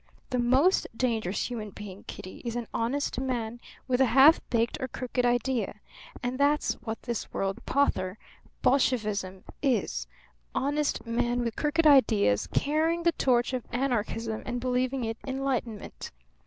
The most dangerous human being, Kitty, is an honest man with a half baked or crooked idea; and that's what this world pother, Bolshevism, is honest men with crooked ideas, carrying the torch of anarchism and believing it enlightenment.